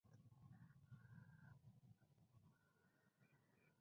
Afirma que se encuentra trabajando en dos libros más.